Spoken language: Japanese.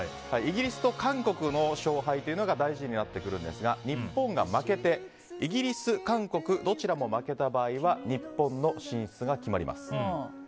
イギリスと韓国の勝敗が大事になってくるんですが日本が負けてイギリス、韓国どちらも負けた場合は日本の進出が決まります。